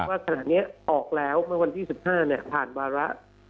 ว่าขณะนี้ออกแล้วเมื่อวันที่๑๕ผ่านวาระ